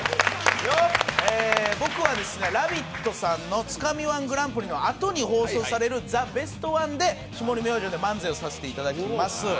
僕は「ラヴィット！」さんの「つかみ−１グランプリ」のあとに放送される「ザ・ベストワン」で霜降り明星で漫才をさせていただきます。